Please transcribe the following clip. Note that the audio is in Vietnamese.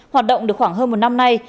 hoạt động được khoảng hơn một năm nay